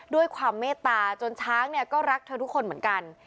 ด้วยความเมตตาจนช้างเนี่ยก็รักเธอทุกคนเหมือนกัน